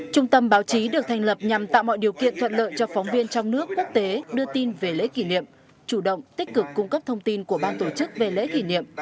trung tâm báo chí được thành lập nhằm tạo mọi điều kiện thuận lợi cho phóng viên trong nước quốc tế đưa tin về lễ kỷ niệm chủ động tích cực cung cấp thông tin của ban tổ chức về lễ kỷ niệm